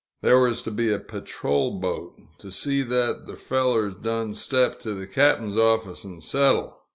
There was to be a patrol boat, "to see that th' fellers done step to th' cap'n's office an' settle."